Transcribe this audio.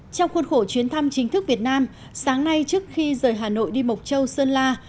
trong khuôn khổ chuyến thăm chính thức việt nam sáng nay trước khi rời hà nội đi mộc châu sơn la